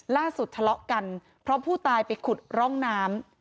ทะเลาะกันเพราะผู้ตายไปขุดร่องน้ำ